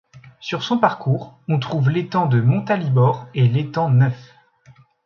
Sur son parcours, on trouve l'étang de Montalibord et l'étang Neuf.